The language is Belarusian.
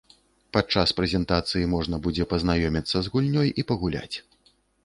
Падчас прэзентацыі можна будзе пазнаёміцца з гульнёй і пагуляць!